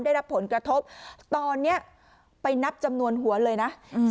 ได้รับผลกระทบตอนเนี้ยไปนับจำนวนหัวเลยนะอืม